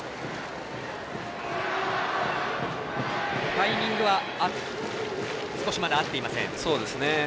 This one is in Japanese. タイミングは少しまだ合っていません。